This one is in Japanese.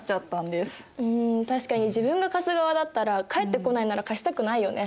ん確かに自分が貸す側だったら返ってこないなら貸したくないよね。